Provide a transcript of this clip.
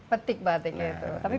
petik batik itu